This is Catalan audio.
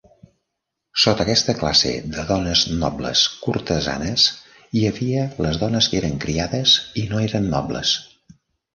Sota aquesta classe de dones nobles cortesanes, hi havia les dones que eren criades i no eren nobles.